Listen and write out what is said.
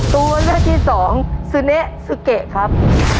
ตัวเลือกที่สองซึเนซูเกะครับ